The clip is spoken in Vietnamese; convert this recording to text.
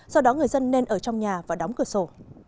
do đó người dân nên ở trong nhà và đóng cửa sổ